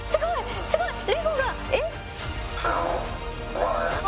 すごいレゴがえっ？